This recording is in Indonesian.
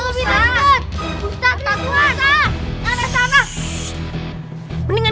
hai ya kayak suara